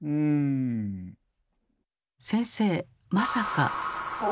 先生まさか？